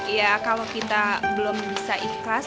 ya kalau kita belum bisa ikhlas